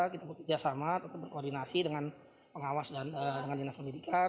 kita bekerja sama tetap berkoordinasi dengan pengawas dengan dinas pendidikan